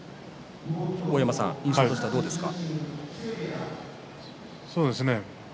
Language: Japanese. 大山さん印象としてはどうですか。